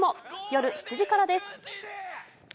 夜７時からです。